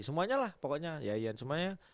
semuanya lah pokoknya